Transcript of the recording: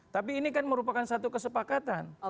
tapi ini kan merupakan satu kesepakatan